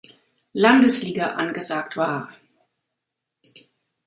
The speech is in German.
Landesliga angesagt war.